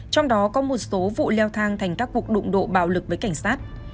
trong đó có một số vụ leo thang thành các cuộc đụng độ bạo lực với cảnh sát